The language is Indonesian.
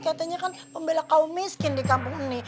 katanya kan membela kaum miskin di kampung ini